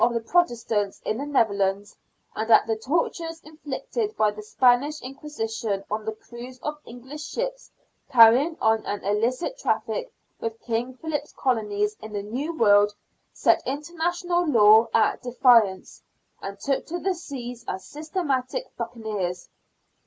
the Protestants in the Netherlands, and at the tortures inflicted by the Spanish Inquisition on the crews of English ships carrying on an illicit traffic with King Philip's colonies in the New World, set international law at defiance, and took to the seas as systematic buccaneers.